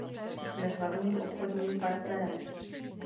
Jsme hlavním obchodním partnerem.